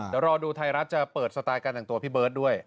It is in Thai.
เดี๋ยวรอดูไทยรัฐจะเปิดสไตล์การแต่งตัวพี่เบิร์ตด้วย